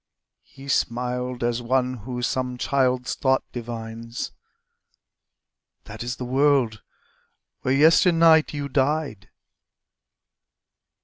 He smiled as one who some child's thought divines: "That is the world where yesternight you died."